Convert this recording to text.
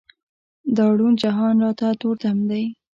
دا روڼ جهان راته تور تم دی.